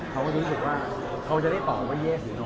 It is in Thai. เขาก็จะรู้สึกว่าวิการให้ต่อตามว่าย่ะแล้วคะ